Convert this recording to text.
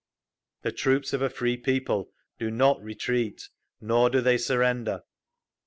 The troops of a free people do not retreat nor do they surrender.